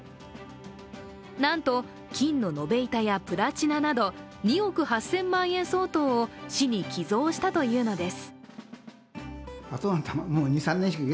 なんと、金の延べ板やプラチナなど２億８０００万円相当を市に寄贈したというのです。